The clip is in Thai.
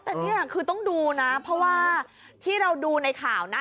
แต่นี่คือต้องดูนะเพราะว่าที่เราดูในข่าวนะ